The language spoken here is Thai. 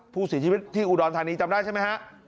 ผู้เสียชีวิตที่อุดรธานีจำได้ใช่ไหมฮะ